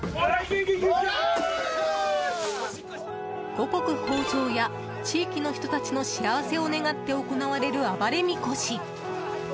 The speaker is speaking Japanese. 五穀豊穣や地域の人たちの幸せを願って行われる暴れみこし。